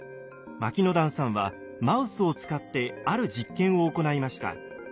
牧之段さんはマウスを使ってある実験を行いました。